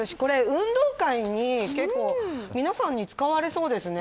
運動会に皆さんに使われそうですよね。